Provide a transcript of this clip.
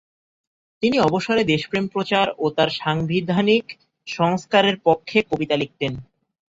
তিনি অবসরে দেশপ্রেম প্রচার ও তার সাংবিধানিক সংস্কারের পক্ষে কবিতা লিখতেন।